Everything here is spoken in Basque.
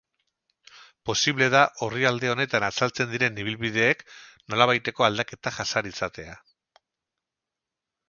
Posible da orrialde honetan azaltzen diren ibilbideek nolabaiteko aldaketak jasan izatea.